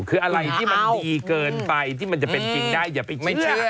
คืออะไรที่มันดีเกินไปที่มันจะเป็นจริงได้อย่าไปไม่จ่าย